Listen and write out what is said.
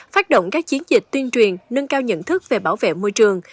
phát động các chiến dịch tuyên truyền nâng cao nhận thức về bảo vệ môi trường